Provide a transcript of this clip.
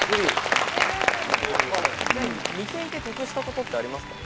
似ていて得したことありますか？